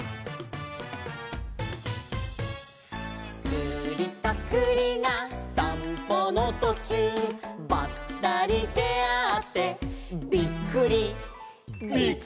「くりとくりがさんぽのとちゅう」「ばったりであってびっくり」